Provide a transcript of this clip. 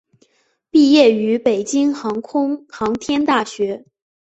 毕业于北京航空航天大学。